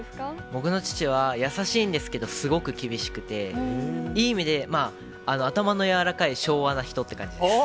僕の父は、優しいんですけど、すごく厳しくて、いい意味で頭の柔らかい昭和な人っていう感じです。